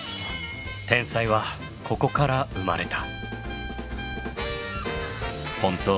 天才はここから生まれた。